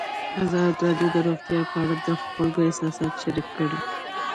ازادي راډیو د روغتیا په اړه د خلکو احساسات شریک کړي.